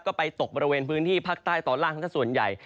ก็ไปตกบริเวณพื้นที่ภาคใต้ตอนล่างสักส่วนใหญ่